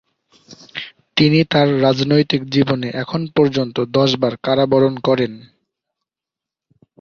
তিনি তার রাজনৈতিক জীবনে এখন পর্যন্ত দশবার কারাবরণ করেন।